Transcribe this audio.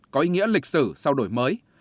có ý nghĩa lịch sử sau đổi mới